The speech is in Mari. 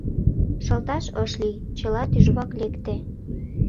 Шылташ ыш лий, чыла тӱжвак лекте.